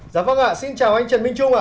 giáo vâng ạ xin chào anh trần minh trung ạ